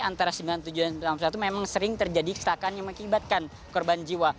antara sembilan puluh tujuh dan sembilan puluh satu memang sering terjadi kesalahan yang mengakibatkan korban jiwa